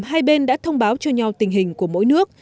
hai bên đã thông báo cho nhau tình hình của mỗi nước